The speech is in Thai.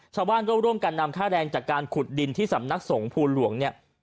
ชาวบ้านก็ร่วมกันนำค่าแรงจากการขุดดินที่สำนักสงภูหลวงเนี่ย